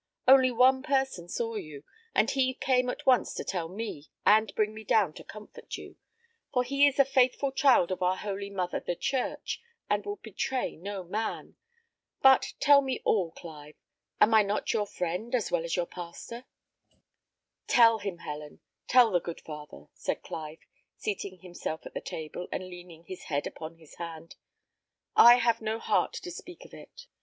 Only one person saw you, and he came at once to tell me, and bring me down to comfort you; for he is a faithful child of our holy mother the church, and will betray no man. But tell me all, Clive. Am I not your friend as well as your pastor?" "Tell him, Helen tell the good father," said Clive, seating himself at the table, and leaning his head upon his hand. "I have no heart to speak of it."